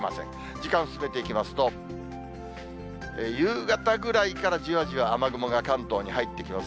時間進めていきますと、夕方ぐらいからじわじわ、雨雲が関東に入ってきます。